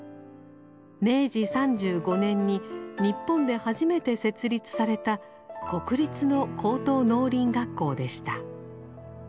明治３５年に日本で初めて設立された国立の高等農林学校でした。